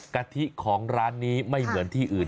กะทิของร้านนี้ไม่เหมือนที่อื่น